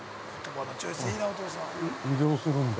移動するんだ。